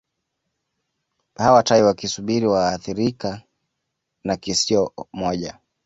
Hawa tai wakisubiri waathirika na kisio moja